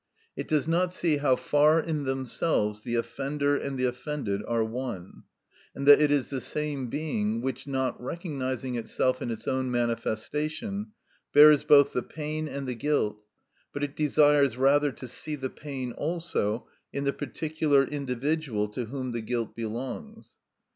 It does not see how far in themselves the offender and the offended are one, and that it is the same being which, not recognising itself in its own manifestation, bears both the pain and the guilt, but it desires rather to see the pain also in the particular individual to whom the guilt belongs.